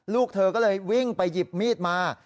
ลูกเธอก็เลยวิ่งไปหยิบมีดมา